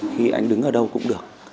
khi anh đứng ở đâu cũng được